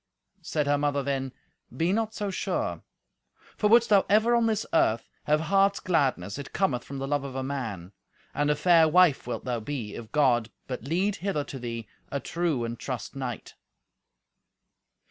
Said her mother then, "Be not so sure; for wouldst thou ever on this earth have heart's gladness, it cometh from the love of a man. And a fair wife wilt thou be, if God but lead hither to thee a true and trust knight."